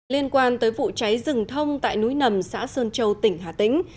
liên quan tới vụ cháy rừng thông tại núi nầm xã sơn châu tỉnh hà tĩnh